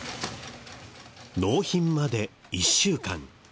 納品まで１週間。